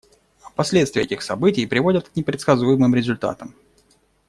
Последствия этих событий приводят к непредсказуемым результатам.